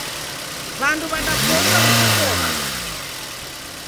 Wandu wadapoilwa ni kushoma.